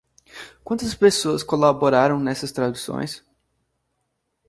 Quantas pessoas colaboraram nessas traduções?